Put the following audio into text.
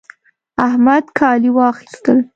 احمد کالي واخيستل